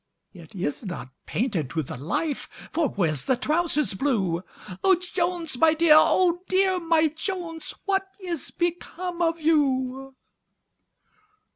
"It is not painted to the life, For where's the trowsers blue? Oh Jones, my dear! Oh dear! my Jones, What is become of you?"